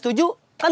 star potato bagu